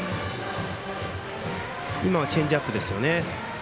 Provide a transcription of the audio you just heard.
チェンジアップですよね